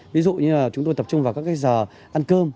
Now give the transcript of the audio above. ví dụ như là chúng tôi tập trung vào các cái giờ ăn cơm